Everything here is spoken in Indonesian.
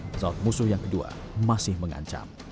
pesawat musuh yang kedua masih mengancam